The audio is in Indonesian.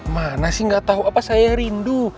mana sih gak tahu apa saya rindu